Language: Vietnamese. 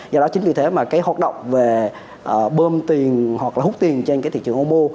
do đó chính vì thế mà cái hoạt động về bơm tiền hoặc là hút tiền trên cái thị trường ôb